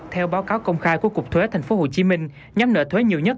theo báo cáo công khai của cục thuế tp hcm nhóm nợ thuế nhiều nhất